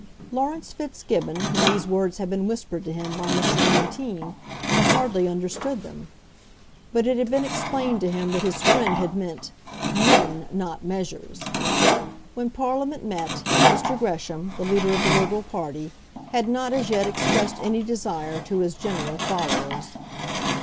Laurence Fitzgibbon, when these words had been whispered to him by Mr. Bonteen, had hardly understood them; but it had been explained to him that his friend had meant "men, not measures." When Parliament met, Mr. Gresham, the leader of the Liberal party, had not as yet expressed any desire to his general followers.